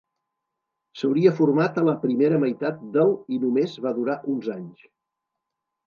S'hauria format a la primera meitat del i només va durar uns anys.